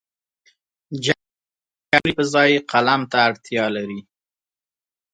جګړه د تورې پر ځای قلم ته اړتیا لري